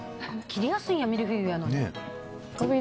切りやすいんやミルフィーユなのに。